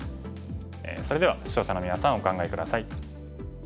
それでは視聴者のみなさんお考え下さい。